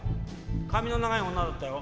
髪の長い女だったよ」。